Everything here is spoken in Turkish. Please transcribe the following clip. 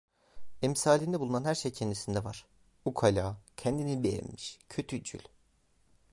Emsalinde bulunan her şey kendisinde var: Ukala, kendini beğenmiş, kötücül…